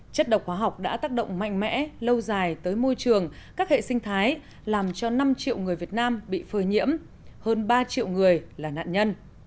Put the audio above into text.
chất độc hóa học đã tác động mạnh mẽ lâu dài tới môi trường các hệ sinh thái làm cho năm triệu người việt nam bị phơi nhiễm hơn ba triệu người là nạn nhân